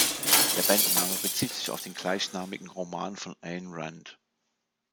Der Bandname bezieht sich auf den gleichnamigen Roman von Ayn Rand.